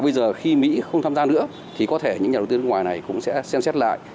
bây giờ khi mỹ không tham gia nữa thì có thể những nhà đầu tư nước ngoài này cũng sẽ xem xét lại